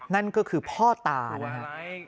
นั่นก็คือพ่อตานะไง